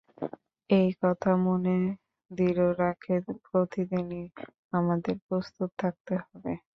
এই কথা মনে দৃঢ় রেখে প্রতিদিনই আমাদের প্রস্তুত থাকতে হবে।